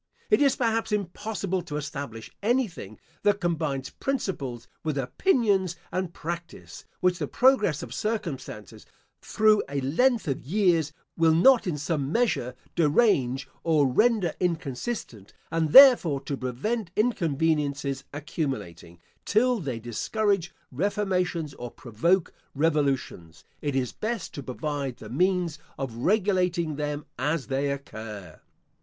It is perhaps impossible to establish anything that combines principles with opinions and practice, which the progress of circumstances, through a length of years, will not in some measure derange, or render inconsistent; and, therefore, to prevent inconveniences accumulating, till they discourage reformations or provoke revolutions, it is best to provide the means of regulating them as they occur.